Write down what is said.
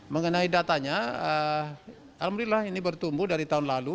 mengenai datanya alhamdulillah ini bertumbuh dari tahun lalu